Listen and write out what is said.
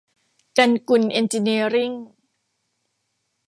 กันกุลเอ็นจิเนียริ่ง